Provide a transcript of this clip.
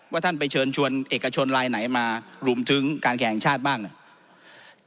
ท่านไปเชิญชวนเอกชนลายไหนมารวมถึงการแข่งชาติบ้างเนี่ย